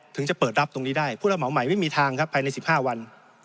จะเปิดรับตรงนี้ได้ผู้รับเหมาใหม่ไม่มีทางครับภายใน๑๕วัน